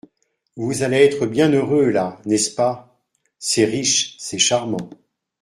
Vous allez être bien heureux, là, n'est-ce pas ? C'est riche, c'est charmant.